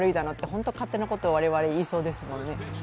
本当、勝手なことを我々、言いそうですもんね。